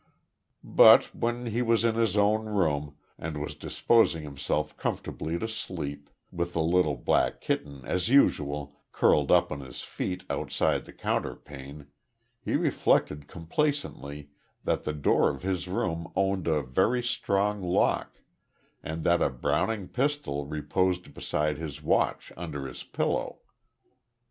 But when he was in his own room, and was disposing himself comfortably to sleep, with the little black kitten as usual curled up on his feet outside the counterpane, he reflected complacently that the door of his room owned a very strong lock, and that a Browning pistol reposed beside his watch under his pillow.